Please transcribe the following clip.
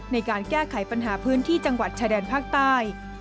ในการแก้ไขปัญหาพื้นที่จังหวัดชายแดนภาคใต้